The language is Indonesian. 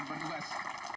yang kedua palu